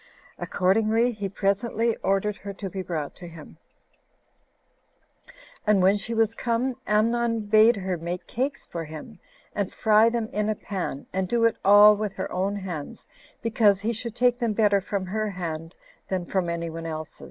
Accordingly, he presently ordered her to be brought to him; and when she was come, Amnon bade her make cakes for him, and fry them in a pan, and do it all with her own hands, because he should take them better from her hand [than from any one's else].